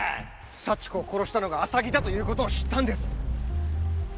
幸子を殺したのが浅木だという事を知ったんです。